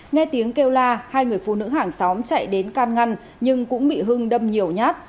nghe tiếng kêu la hai người phụ nữ hàng xóm chạy đến can ngăn nhưng cũng bị hưng đâm nhiều nhát